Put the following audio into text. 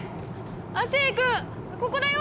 亜生君ここだよ！